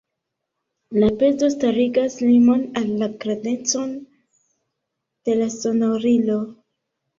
La pezo starigas limon al la grandeco de la sonorilo.